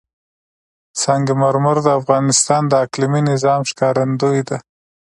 سنگ مرمر د افغانستان د اقلیمي نظام ښکارندوی ده.